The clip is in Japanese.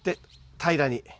平らに。